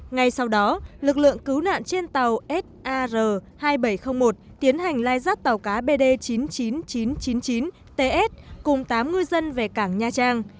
ngay sau đó lực lượng cứu nạn trên tàu sar hai nghìn bảy trăm linh một tiến hành lai rắt tàu cá bd chín mươi chín nghìn chín trăm chín mươi chín ts cùng tám ngư dân về cảng nha trang